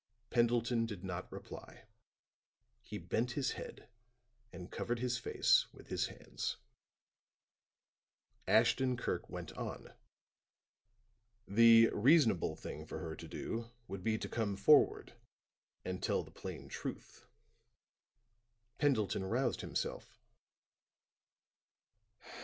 Pendleton did not reply; he bent his head and covered his face with his hands. Ashton Kirk went on: "The reasonable thing for her to do would be to come forward and tell the plain truth." Pendleton roused himself.